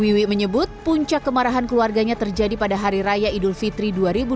wiwi menyebut puncak kemarahan keluarganya terjadi pada hari raya idul fitri dua ribu dua puluh